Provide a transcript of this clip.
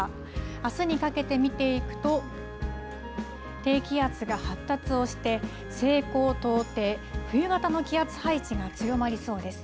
あすにかけて見ていくと低気圧が発達をして西高東低、冬型の気圧配置が強まりそうです。